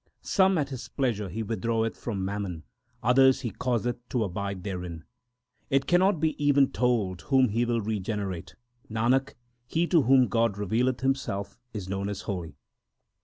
2 Some at His pleasure He withdraweth from mammon ; others He causeth to abide therein. It cannot be even told whom He will regenerate. Nanak, he to whom God revealeth Himself, is known as holy.